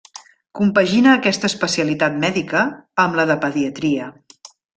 Compagina aquesta especialitat mèdica amb la de pediatria.